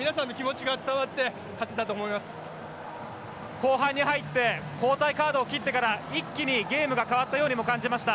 後半に入って交代カードを切ってから一気にゲームが変わったようにも感じました。